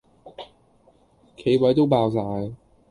企位都爆哂